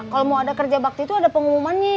kalo mau ada kerja bakti tuh ada pengumuman nih